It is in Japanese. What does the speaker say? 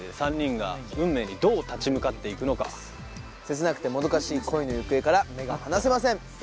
３人が運命にどう立ち向かっていくのか切なくてもどかしい恋の行方から目が離せません